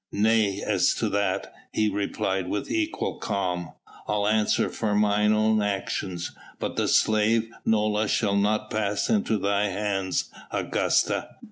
"Nay! as to that," he replied with equal calm, "I'll answer for mine own actions. But the slave Nola shall not pass into thy hands, Augusta!